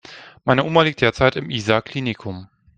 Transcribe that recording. Meine Oma liegt derzeit im Isar Klinikum.